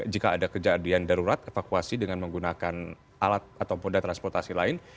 jika ada kejadian darurat evakuasi dengan menggunakan alat atau moda transportasi lain